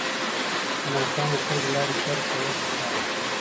د ناکامو خلکو لارې ترک کول پکار دي.